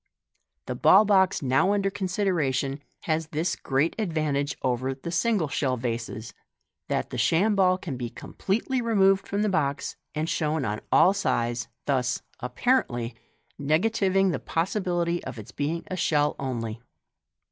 The ball box now under consideration has this great advantage over the single shell vases, that the sham ball can be completely removed from the box, and shown on all sides, thus (apparently) negativing the possibility of its being a shell only.